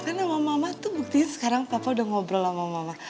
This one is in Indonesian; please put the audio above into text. karena sama mama tuh buktinya sekarang papa udah ngobrol sama mama